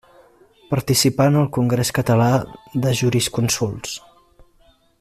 Participà en el Congrés Català de Jurisconsults.